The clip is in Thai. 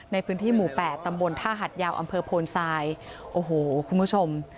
ในพื้นที่หมู่๘ตำบลท่าหัดยาวอำเภอโพนทรายโอ้โหคุณผู้ชม